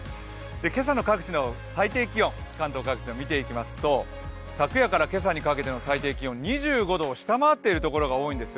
今朝の各地の最低気温関東各地見ていきますと昨夜から今朝にかけての最低気温２５度を下回っているところが多いんです。